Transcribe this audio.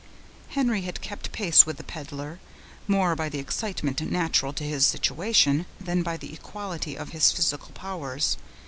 Henry had kept pace with the peddler, more by the excitement natural to his situation, than by the equality of his physical powers.